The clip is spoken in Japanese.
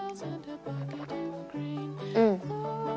うん。